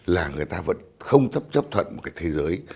là người ta vẫn không chấp chấp thuận một cái thế giới